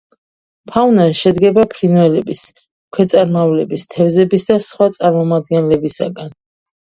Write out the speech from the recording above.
ფაუნა შედგება ფრინველების, ქვეწარმავლების, თევზების და სხვა წარმომადგენლებისაგან.